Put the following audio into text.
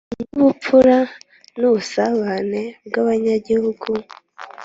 Nk’ubupfura n’ubusabane bw’abanyagihugu